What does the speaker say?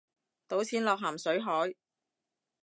倒錢落咸水海